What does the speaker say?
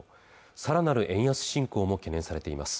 さらなる円安進行も懸念されています